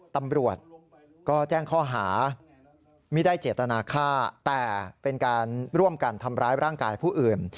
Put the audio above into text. ตำรวจก็แจ้งข้อหาไม่ได้เจตนาฆ่าแต่เป็นการร่วมกันทำร้ายร่างกายผู้อื่น